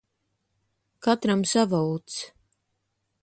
Katram sava uts.